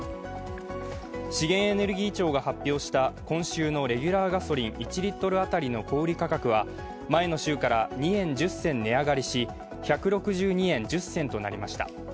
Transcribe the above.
資源エネルギー庁が発表した今週のレギュラーガソリン１リットル当たりの小売価格は前の週から２円１０銭値上がりし、１６２円１０銭となりました。